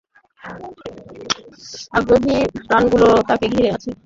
আগ্রহী প্রাণগুলো তাকে ঘিরে আছে।